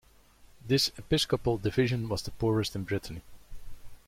This episcopal division was the poorest in Brittany.